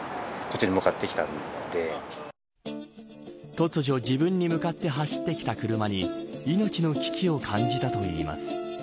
突如自分に向かって走ってきた車に命の危機を感じたといいます。